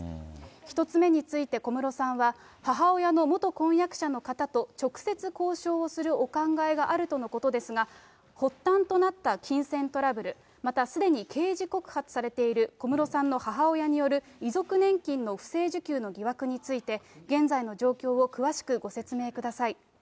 １つ目について小室さんは、母親の元婚約者の方と、直接交渉をするお考えがあるとのことですが、発端となった金銭トラブル、またすでに刑事告発されている小室さんの母親による遺族年金の不正受給の疑惑について、現在の状況を詳しくご説明ください。